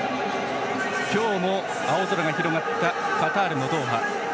今日も青空が広がったカタールのドーハ。